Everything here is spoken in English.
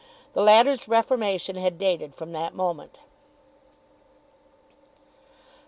The latter's reformation had dated from that moment.